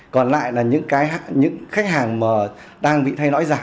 còn lại là những khách hàng mà đang bị thay lõi giả